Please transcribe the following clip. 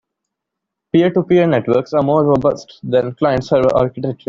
Peer-to-peer networks are more robust than client-server architectures.